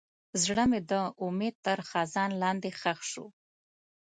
زړه مې د امید تر خزان لاندې ښخ شو.